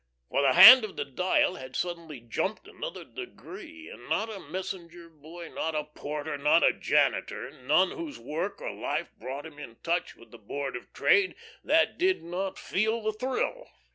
For the hand on the dial had suddenly jumped another degree, and not a messenger boy, not a porter not a janitor, none whose work or life brought him in touch with the Board of Trade, that did not feel the thrill.